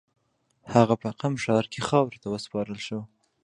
هغه په قم ښار کې خاورو ته وسپارل شو.